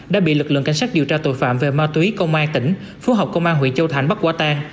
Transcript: đã bị lực lượng cảnh sát điều tra tội phạm về ma túy công an tỉnh phú học công an huyện châu thành bắt quả tang